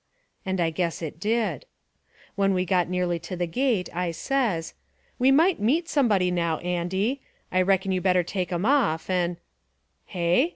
"And I guess it did. "When we got nearly to the gate, I says: 'We might meet somebody now, Andy. I reckon you better take 'em off, and ' Hey?